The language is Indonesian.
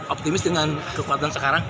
optimis dengan kekuatan sekarang